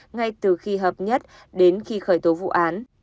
ngay từ khi hợp nhất đến khi khởi tố vụ án